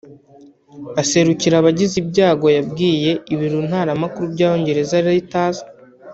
aserukira abagize ibyago yabwiye ibiro ntaramakuru by’ Abongereza Reuters